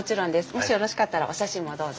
もしよろしかったらお写真もどうぞ。